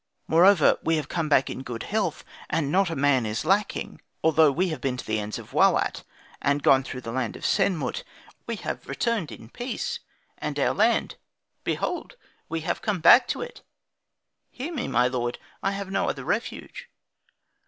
Moreover, we have come back in good health, and not a man is lacking; although we have been to the ends of Wawat, and gone through the land of Senmut, we have returned in peace, and our land behold, we have come back to it. Hear me, my lord; I have no other refuge.